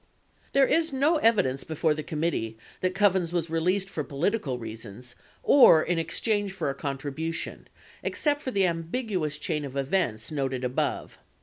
22 There is no evidence before the committee that Kovens was released for political reasons or in exchange for a contribution except for the ambiguous chain of events noted above.